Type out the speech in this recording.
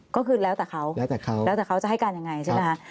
ก็คือแล้วแต่เขาแล้วแต่เขาจะให้การอย่างไรใช่ไหม